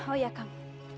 oh ya kang